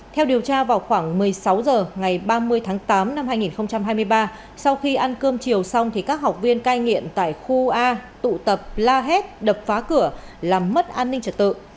theo điều tra vào khoảng một mươi sáu h ngày ba mươi tháng tám năm hai nghìn hai mươi ba sau khi ăn cơm chiều xong thì các học viên cai nghiện tại khu a tụ tập la hét đập phá cửa làm mất an ninh trật tự